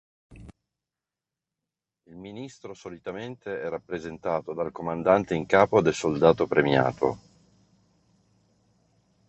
Il Ministro solitamente è rappresentato dal comandante in capo del soldato premiato.